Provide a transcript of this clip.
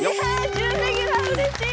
準レギュラーうれしい！